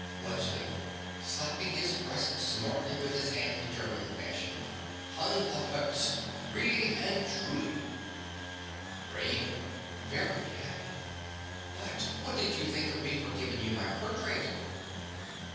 BLUNTSCHLI. (slapping his breast smartly with his hand, German fashion). Hand aufs Herz! Really and truly. RAINA. (very happy). But what did you think of me for giving you my portrait?